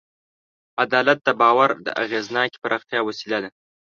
عدالت د باور د اغېزناکې پراختیا وسیله ده.